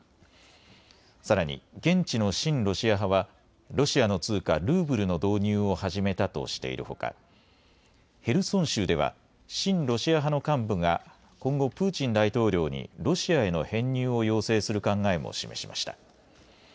さらに現地の親ロシア派はロシアの通貨ルーブルの導入を始めたとしているほか、ヘルソン州では親ロシア派の幹部が今後、プーチン大統領にロシアへの編入を要請する考えも示しました。